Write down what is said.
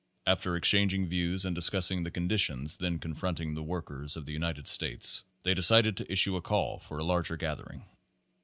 After ex changing views and discussing the conditions then con fronting the workers of the United States, they de cided to issue a call for a larger gathering.